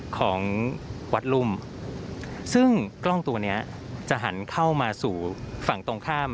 ของวัดรุ่มซึ่งกล้องตัวเนี้ยจะหันเข้ามาสู่ฝั่งตรงข้าม